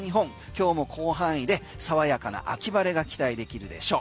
今日も広範囲で爽やかな秋晴れが期待できるでしょう。